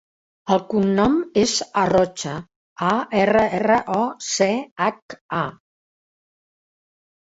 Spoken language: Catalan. El cognom és Arrocha: a, erra, erra, o, ce, hac, a.